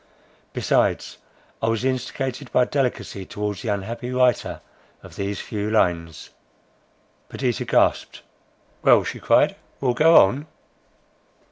Besides, I was instigated by delicacy towards the unhappy writer of these few lines." Perdita gasped: "Well," she cried, "well, go on!"